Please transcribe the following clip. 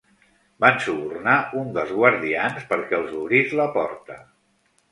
Van subornar un dels guardians perquè els obrís la porta.